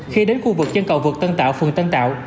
khi đến khu vực trên cầu vực tân tạo phường tân tạo